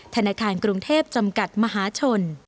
ธนาคารกรุงเทพจำกัดมหาชน